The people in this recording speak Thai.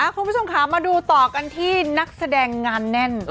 คุณผู้ชมค่ะมาดูต่อกันที่นักแสดงงานแน่น